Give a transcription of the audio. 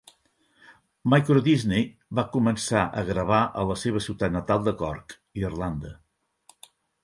Microdisney va començar a gravar a la seva ciutat natal de Cork, Irlanda.